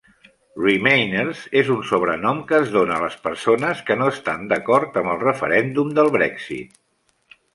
"Remainers" és un sobrenom que es dona a les persones que no estan d'acord amb el referèndum del Brexit.